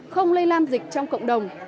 không lây lan dịch trong cộng đồng